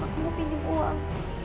aku mau pinjem uang